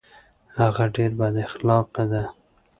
هغه ډیر بد اخلاقه ده